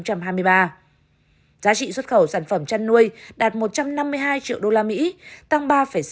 giá trị xuất khẩu sản phẩm chăn nuôi đạt một trăm năm mươi hai triệu usd tăng ba sáu